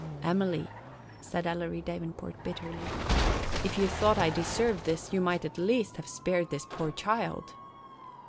"Emily," said Ellery Davenport, bitterly, "if you thought I deserved this, you might, at least, have spared this poor child."